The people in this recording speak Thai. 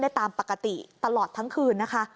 ตามปกติตลอดทั้งคืนนะคะ